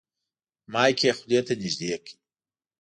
مایک یې خولې ته نږدې کړ.